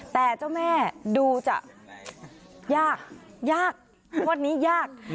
แต่เจ้าแม่ดูจะยากยากงวดนี้ยาก